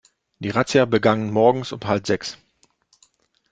Die Razzia begann morgens um halb sechs.